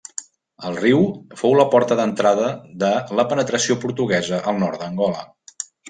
El riu fou la porta d'entrada de la penetració portuguesa al nord d'Angola.